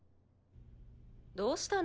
どうしたの？